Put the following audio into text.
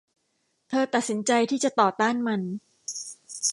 เธอตัดสินใจที่จะต่อต้านมัน